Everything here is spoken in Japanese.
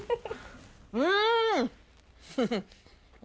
うん！